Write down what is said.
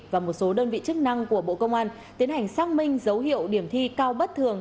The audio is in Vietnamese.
và một số đơn vị chức năng của bộ công an tiến hành xác minh dấu hiệu điểm thi cao bất thường